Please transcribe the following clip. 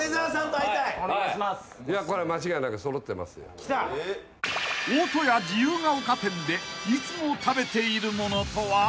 ［大戸屋自由が丘店でいつも食べているものとは？］